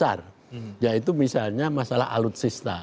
besar yaitu misalnya masalah alutsista